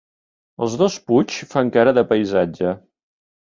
Els dos Puig fan cara de paisatge.